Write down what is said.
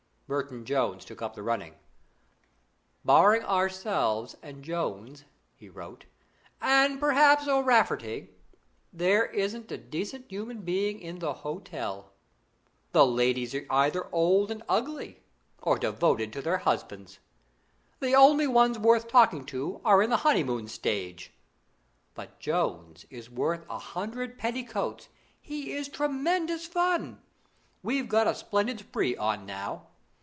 Merton Towers took up the running: "Barring ourselves and Jones," he wrote, "and perhaps O'Rafferty, there isn't a decent human being in the hotel. The ladies are either old and ugly, or devoted to their husbands. The only ones worth talking to are in the honeymoon stage. But Jones is worth a hundred petticoats: he is tremendous fun. We've got a splendid spree on now.